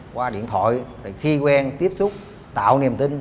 qua điện thoại khi quen tiếp xúc tạo niềm tin